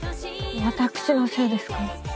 私のせいですから。